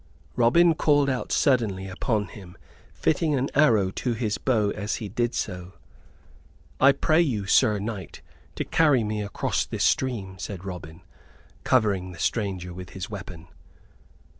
Robin called out suddenly upon him, fitting an arrow to his bow as he did so. "I pray you, Sir Knight, to carry me across this stream," said Robin, covering the stranger with his weapon.